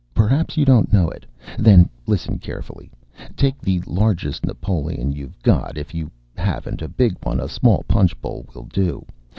Perhaps you don't know it? Then listen carefully. Take the largest Napoleon you've got. If you haven't a big one, a small punch bowl will do.